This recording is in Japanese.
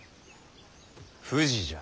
富士じゃ。